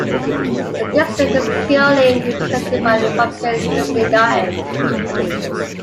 The district is currently represented by Republican Kristi Noem.